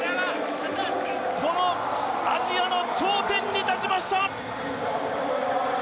このアジアの頂点に立ちました！